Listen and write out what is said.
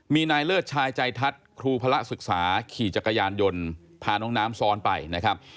มีนายเลิศชายใจทัศน์ครูพระศึกษาขี่จักรยานยนต์พาน้องน้ำซ้อนไปนะครับ